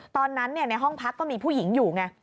ตอนนั้นในห้องพักก็มีผู้หญิงอยู่ไง